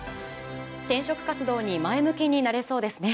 転職活動に前向きになれそうですね。